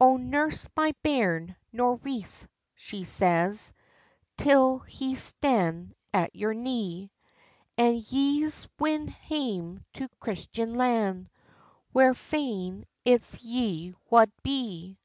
O nurse my bairn, Nourice, she says, Till he stan' at your knee, An' ye's win hame to Christen land, Whar fain it's ye wad be.